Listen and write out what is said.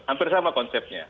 hampir sama konsepnya